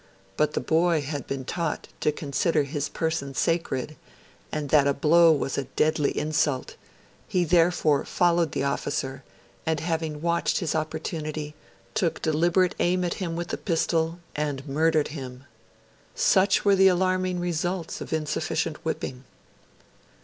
But the boy had been taught to consider his person sacred, and that a blow was a deadly insult; he therefore followed the officer, and having watched his opportunity, took deliberate aim at him with a pistol and murdered him.' Such were the alarming results of insufficient whipping.